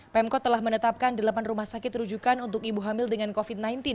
pemkot telah menetapkan delapan rumah sakit rujukan untuk ibu hamil dengan covid sembilan belas